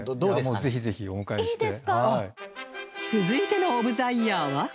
続いてのオブ・ザ・イヤーは